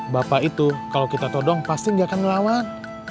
bapak itu kalau kita todong pasti gak akan ngelawan